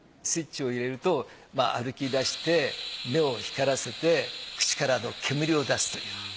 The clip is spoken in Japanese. スイッチを入れると歩き出して目を光らせて口から煙を出すという。